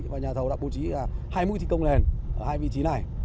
và nhà thầu đã bố trí hai mũi thi công nền